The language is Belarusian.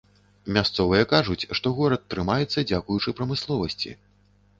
Мясцовыя кажуць, што горад трымаецца дзякуючы прамысловасці.